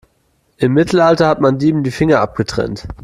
Im Mittelalter hat man Dieben die Finger abgetrennt.